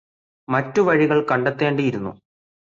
മറ്റുവഴികള് കണ്ടെത്തേണ്ടിയിരുന്നു